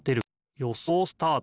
よそうスタート！